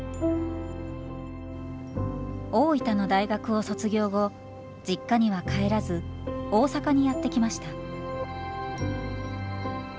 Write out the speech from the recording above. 大分の大学を卒業後実家には帰らず大阪にやって来ました。